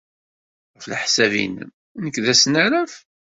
Ɣef leḥsab-nnem, nekk d asnaraf?